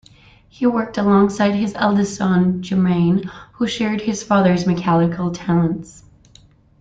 He worked alongside his eldest son Germain, who shared his father's mechanical talents.